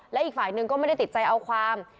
และอีกฝ่ายหนึ่งก็ไม่ได้ติดใจเอาความ